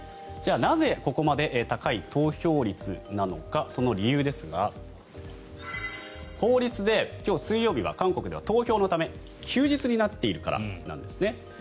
じゃあなぜここまで高い投票率なのかその理由ですが法律で今日、水曜日は韓国では投票のため休日になっているからなんです。